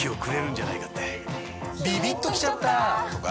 ビビッときちゃった！とか